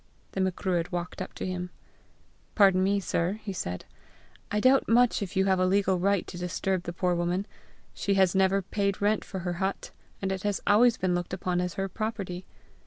The Macruadh walked up to him. "Pardon me, sir," he said: "I doubt much if you have a legal right to disturb the poor woman. She has never paid rent for her hut, and it has always been looked upon as her property."